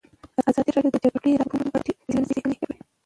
ازادي راډیو د د جګړې راپورونه په اړه څېړنیزې لیکنې چاپ کړي.